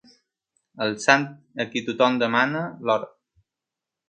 El sant a qui tothom demana l'hora.